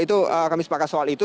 itu kami sepakat soal itu